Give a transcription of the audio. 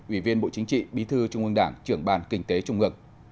ủy viên bộ chính trị bí thư trung ương đảng trưởng bàn kinh tế trung ương